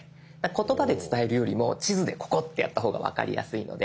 言葉で伝えるよりも地図でここってやった方が分かりやすいので。